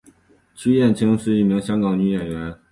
区燕青是一名香港女演员。